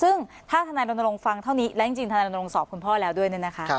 ซึ่งถ้าธนายรณรงค์ฟังเท่านี้และจริงธนายรณรงค์สอบคุณพ่อแล้วด้วยเนี่ยนะคะ